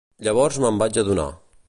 Llavors me'n vaig adonar.